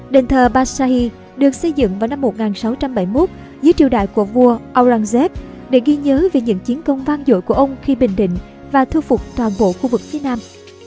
đền thờ bashahi được xây dựng vào năm một nghìn sáu trăm bảy mươi một dưới triều đại của vua aurangzev để ghi nhớ về những chiến công vang dội của ông khi bình định và thu phục toàn bộ khu vực phía nam